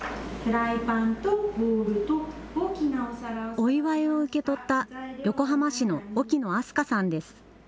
お祝いを受け取った横浜市の沖野飛鳥さんです。